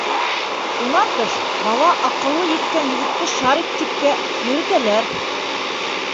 Унан тыш бала аҡыллы еткән егетте шарик тип гә йөрөтәләр.